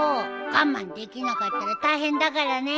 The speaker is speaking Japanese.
我慢できなかったら大変だからね！